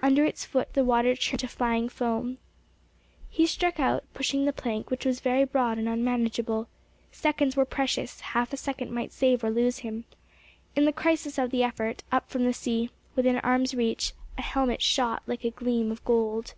Under its foot the water churned to flying foam. He struck out, pushing the plank, which was very broad and unmanageable. Seconds were precious—half a second might save or lose him. In the crisis of the effort, up from the sea, within arm's reach, a helmet shot like a gleam of gold.